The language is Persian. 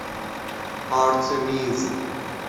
آرتمیز